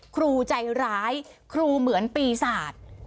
ครูใจร้ายครูเหมือนปีศาจ